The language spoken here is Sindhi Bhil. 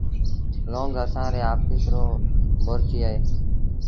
لونگ اسآݩ ري آڦيس رو ڀورچيٚ اهي